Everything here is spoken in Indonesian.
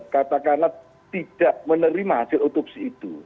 katakanlah tidak menerima hasil otopsi itu